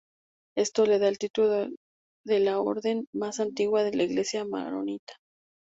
Esto le da el título de la orden más antigua de la Iglesia maronita.